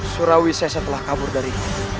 surawi sese telah kabur dari